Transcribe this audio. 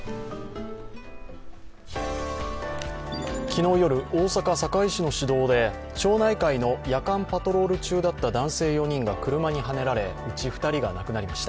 昨日夜、大阪・堺市の市道で町内会の夜間パトロール中だった男性４人が車にはねられうち２人が亡くなりました。